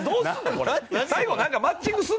これ。